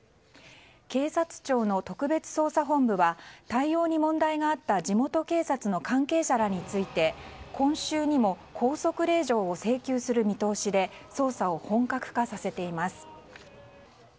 警察庁の特別捜査本部は対応に問題があった地元警察の関係者らについて今週にも拘束令状を請求する見通しで捜査を本格化させています。